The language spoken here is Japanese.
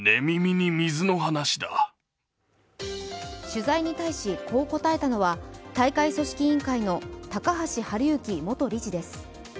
取材に対しこう答えたのは大会組織委員会の高橋治之元理事です。